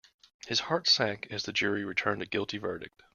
His heart sank as the jury returned a guilty verdict.